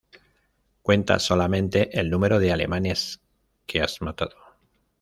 Cuenta solamente el número de alemanes que has matado.